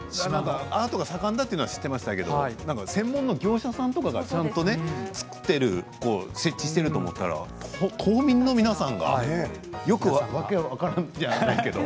アートが盛んだとは知っていましたけれど専門の業者さんとかがちゃんと作っている設置していると思ったら島民の皆さんがよく訳が分からんじゃないけど。